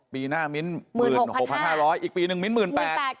ปีหน้ามิ้น๑๖๕๐๐อีกปีหนึ่งมิ้น๑๘๐๐บาท